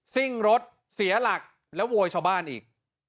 ซิ่งรถเสียหลักแล้วโวยชาวบ้านอีก